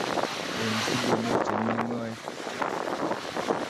Eng' tulonok che mi ng'oet;